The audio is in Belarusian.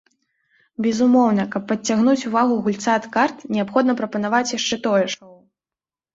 Безумоўна, каб адцягнуць увагу гульца ад карт, неабходна прапанаваць яшчэ тое шоў.